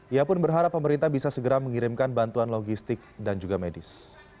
ia pun berharap pemerintah bisa segera mengirimkan bantuan logistik dan juga medis